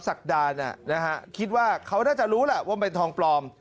ศักดานะฮะคิดว่าเขาน่าจะรู้แหละว่ามันเป็นทองปลอม